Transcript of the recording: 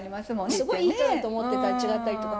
すごいいい人だと思ってたら違ったりとか。